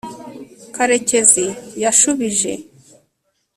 karekezi yashubije